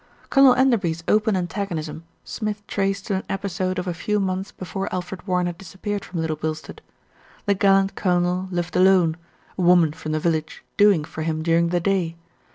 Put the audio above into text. Colonel Enderby's open antagonism Smith traced to an episode of a few months before Alfred Warren had disappeared from Little Bilstead. The gallant colonel lived alone, a woman from the village "doing" for him during the day.